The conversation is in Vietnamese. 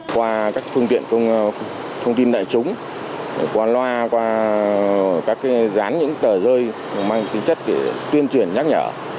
qua các thông tin đại chúng qua loa qua các gián những tờ rơi mang tính chất tuyên truyền nhắc nhở